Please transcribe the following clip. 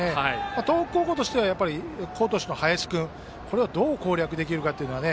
東北高校としては好投手の林君をどう攻略できるか。